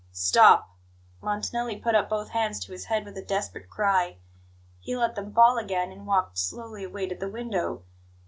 "Stop!" Montanelli put up both hands to his head with a desperate cry. He let them fall again, and walked slowly away to the window.